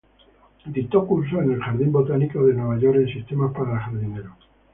Dictó cursos en el Jardín botánico de Nueva York en sistemática para jardineros.